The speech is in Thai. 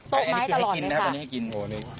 ตกไม้ตลอดเลยค่ะ